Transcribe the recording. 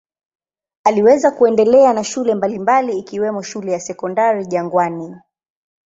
Aliweza kuendelea na shule mbalimbali ikiwemo shule ya Sekondari Jangwani.